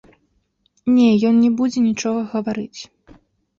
Не, ён не будзе нічога гаварыць.